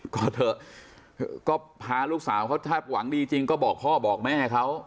ก็เถอะก็พาลูกสาวเขาถ้าหวังดีจริงก็บอกพ่อบอกแม่เขา